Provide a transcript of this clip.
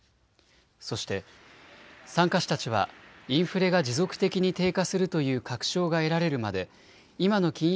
そして参加者たちはインフレが持続的に低下するという確証が得られるまで今の金融